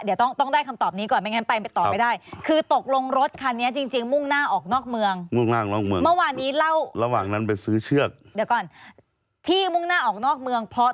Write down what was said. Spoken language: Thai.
เดี๋ยวต้องได้คำตอบนี้ก่อนไม่งั้นไปต่อไม่ได้